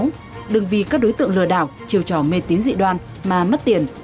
nhưng đừng vì các đối tượng lừa đảo chiều trò mê tín dị đoan mà mất tiền